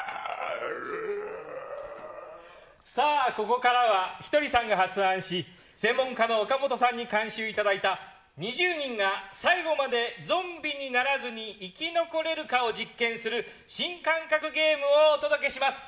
さあ、ここからはひとりさんが発案し専門家の岡本さんに監修いただいた２０人が最後までゾンビにならずに生き残れるかを実験する新感覚ゲームをお届けします。